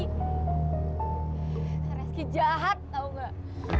kak rezki jahat tahu nggak